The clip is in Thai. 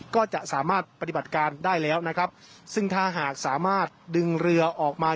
ก็จะสามารถปฏิบัติการได้แล้วนะครับซึ่งถ้าหากสามารถดึงเรือออกมา